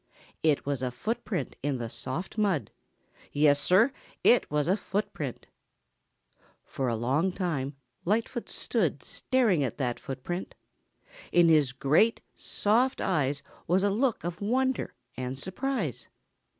It was a footprint in the soft mud. Yes, Sir, it was a footprint. For a long time Lightfoot stood staring at that footprint. In his great, soft eyes was a look of wonder and surprise.